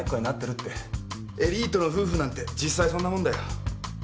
エリートの夫婦なんて実際そんなもんだよ。